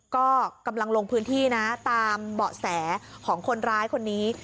ก็กำลังลงพื้นที่นะตามเบาะแสของคนร้ายคนนี้